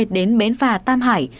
đến bến phà t h t n